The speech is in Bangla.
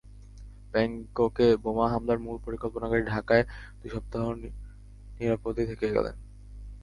ব্যাংককে বোমা হামলার মূল পরিকল্পনাকারী ঢাকায় দুই সপ্তাহ নিরাপদে থেকে গেলেন।